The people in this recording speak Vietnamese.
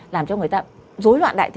làm cho người ta dối loạn đại